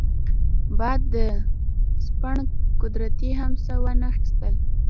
باید د سپڼ قدرې هم څه وانه اخیستل شي.